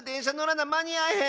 なまにあえへん！